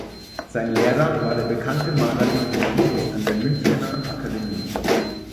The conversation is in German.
Sein Lehrer war der bekannte Maler Wilhelm Diez an der Münchener Akademie.